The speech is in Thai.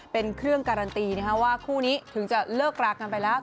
เป็นเครื่องการันตีว่าคู่นี้ถึงจะเลิกรากันไปแล้ว